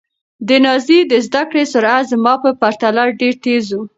د نازيې د زده کړې سرعت زما په پرتله ډېر تېز و.